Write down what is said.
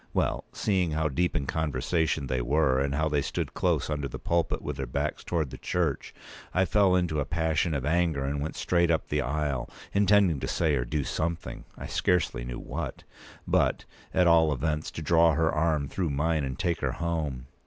Well, seeing how deep in conversation they were, and how they stood close under the pulpit with their backs towards the church, I fell into a passion of anger and went straight up the aisle, intending to say or do something: I scarcely knew what; but, at all events, to draw her arm through mine, and take her home.